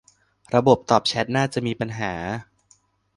ระบบตอบแชตน่าจะมีปัญหา